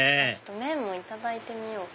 麺もいただいてみようかな。